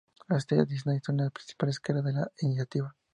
Las estrellas Disney son las principales caras de la iniciativa.